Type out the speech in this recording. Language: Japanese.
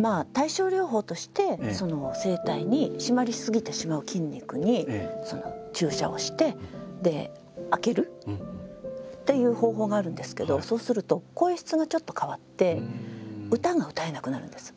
まあ対症療法として声帯に締まり過ぎてしまう筋肉に注射をして開けるっていう方法があるんですけどそうすると声質がちょっと変わって歌が歌えなくなるんです。